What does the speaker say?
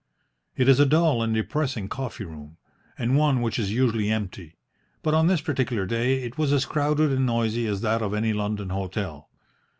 It is a dull and depressing coffee room, and one which is usually empty, but on this particular day it was as crowded and noisy as that of any London hotel.